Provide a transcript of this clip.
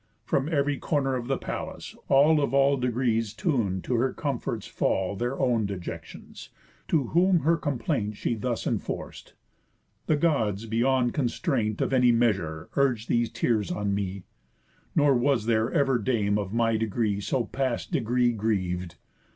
From ev'ry corner of the palace, all Of all degrees tun'd to her comfort's fall Their own dejections; to whom her complaint She thus enforc'd: "The Gods, beyond constraint Of any measure, urge these tears on me; Nor was there ever dame of my degree So past degree griev'd.